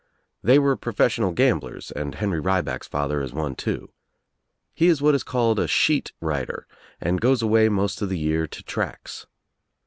They were professional gamblers and Henry Rieback's father Is one too. He is what is called a sheet writer and goes away most of the year to tracks.